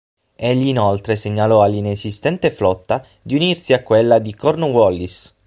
Egli inoltre segnalò all'inesistente flotta di unirsi a quella di Cornwallis.